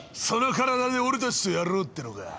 その体で俺たちとやろうってのか？